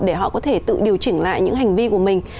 để họ có thể tự điều chỉnh lại những hành vi của mình